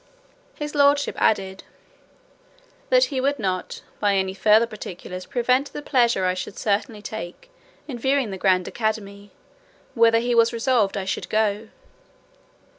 His lordship added, "That he would not, by any further particulars, prevent the pleasure I should certainly take in viewing the grand academy, whither he was resolved I should go."